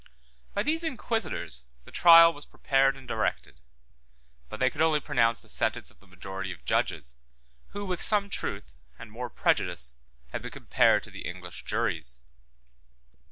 By these inquisitors the trial was prepared and directed; but they could only pronounce the sentence of the majority of judges, who with some truth, and more prejudice, have been compared to the English juries.